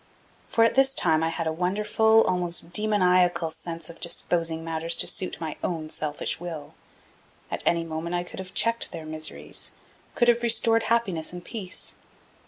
For at this time I had a wonderful, almost demoniacal sense of disposing of matters to suit my own selfish will. At any moment I could have checked their miseries, could have restored happiness and peace.